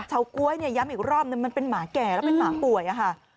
ก๊วยเนี่ยย้ำอีกรอบนึงมันเป็นหมาแก่แล้วเป็นหมาป่วยอะค่ะ